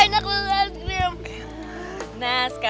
ini athlete yuk menurut gue